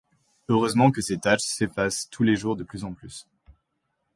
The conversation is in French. Heureusement que ces taches s’effacent tous les jours de plus en plus.